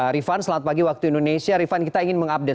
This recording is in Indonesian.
rifan selamat pagi waktu indonesia rifan kita ingin mengupdate